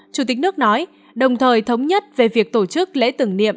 chủ tịch nước nói đồng thời thống nhất về việc tổ chức lễ tưởng niệm